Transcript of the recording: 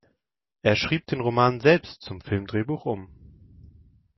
Er schrieb den Roman selbst zum Filmdrehbuch um.